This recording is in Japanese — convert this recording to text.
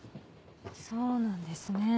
そうなんですね。